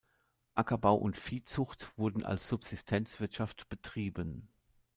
Ackerbau und Viehzucht wurden als Subsistenzwirtschaft betrieben.